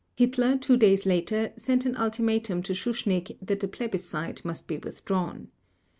Hitler, two days later, sent an ultimatum to Schuschnigg that the plebiscite must be withdrawn.